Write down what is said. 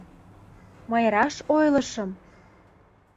Мый раш ойлышым?